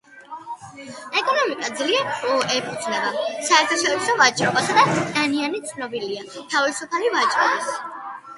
ეკონომიკა ძლიერ ეფუძნება საერთაშორისო ვაჭრობას და დანია ცნობილია თავისუფალი ვაჭრობის დამცველად ევროკავშირში.